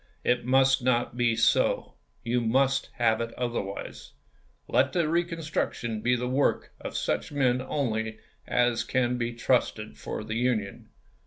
It must not be so. You must have it otherwise. Let the reconstruction be the work of such men only as can be trusted for the Union.